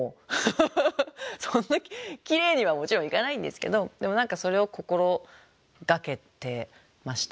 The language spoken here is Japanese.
そんなきれいにはもちろんいかないんですけどでも何かそれを心がけてました。